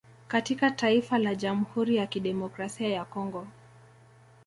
Katika taifa la jamhuri ya kidemokrasia ya congo